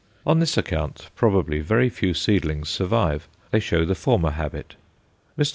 On this account probably very few seedlings survive; they show the former habit. Mr.